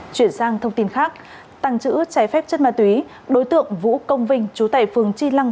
chuyển sang thông tin khác tăng chữ trái phép chất ma túy đối tượng vũ công vinh chú tại phường chi lăng